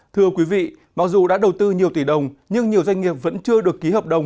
thưa quý vị mặc dù đã đầu tư nhiều tỷ đồng nhưng nhiều doanh nghiệp vẫn chưa được ký hợp đồng